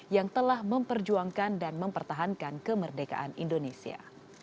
yang telah memperjuangkan dan mempertahankan kemerdekaan indonesia